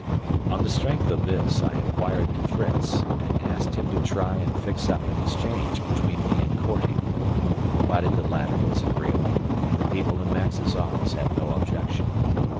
On the strength of this I have wired to Fritz, and asked him to try and fix up an exchange between me and Korting, provided the latter is agreeable and the people in Max's office have no objection.